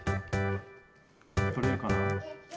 とれるかな？